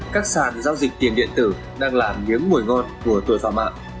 các sàn giao dịch tiền điện tử đang là miếng mùi ngon của tội phạm ạ